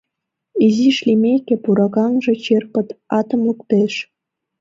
Изиш лиймеке, пуракаҥше черпыт атым луктеш.